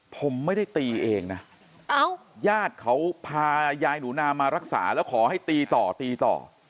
ผมไม่ได้ตีเองนะญาติเขาพายายหนูนามารักษาแล้วขอให้ตีต่อตีต่อ